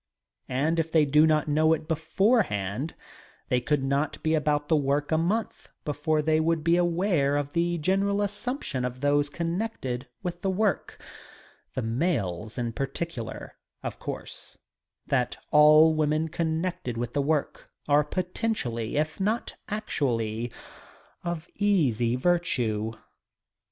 And if they do not know it beforehand, they could not be about the work a month before they would be aware of the general assumption of those connected with the work, the males in particular, of course, that all women connected with the work are potentially, if not actually, of easy virtue.